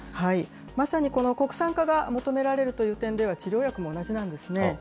まさにこの国産化が求められるという点では、治療薬も同じなんですね。